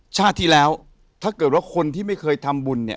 ชาติที่แล้วถ้าเกิดว่าคนที่ไม่เคยทำบุญเนี่ย